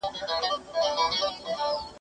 ¬ پر زړه لښکري نه کېږي.